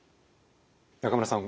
中村さん